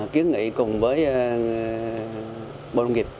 kiến nghị cùng với bộ nông nghiệp